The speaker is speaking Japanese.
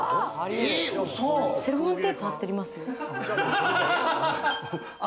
でもセロハンテープ貼ってありますよ。